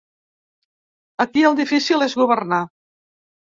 Aquí el difícil és governar.